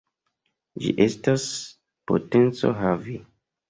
Ĝi estas potenco havi.